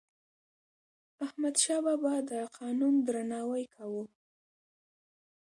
احمدشاه بابا د قانون درناوی کاوه.